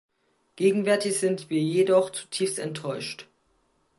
Gegenwärtig sind wir jedoch zutiefst enttäuscht.